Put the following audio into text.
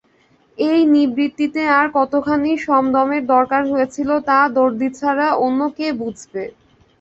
এই নিবৃত্তিতে তার কতখানি শমদমের দরকার হয়েছিল তা দরদী ছাড়া অন্যে কে বুঝবে।